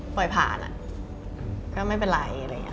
ปล่อยผ่านก็ไม่เป็นไร